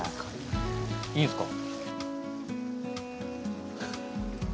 いいんですか？